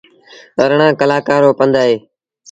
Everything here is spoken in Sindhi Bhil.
اَرڙآن ڪلآنڪآن رو پنڌ اهي۔